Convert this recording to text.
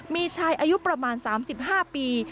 มีชายอายุประมาณ๓๕ปี